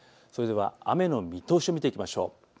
それでは雨の見通しを見ていきましょう。